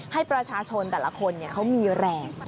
ให้ประชาชนแต่ละคนเขามีแรง